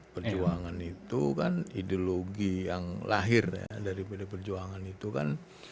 perjuangan itu kan ideologi yang lahir ya dari pd perjuangan itu kan